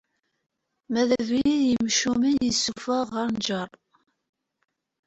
Ma d abrid n yimcumen issufuɣ ɣer nnger.